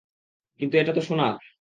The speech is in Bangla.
কিন্তু এটাতো সোনার।